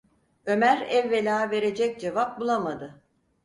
Ömer evvela verecek cevap bulamadı…